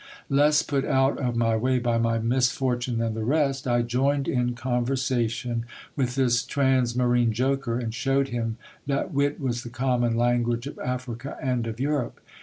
Less put out of my way by my misfortune than the rest, I joined in conversation with this trans marine joker, and shewed him that wit was the common language of Africa and of Europe.